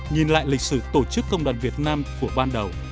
nhìn lại lịch sử tổ chức công đoàn việt nam của ban đầu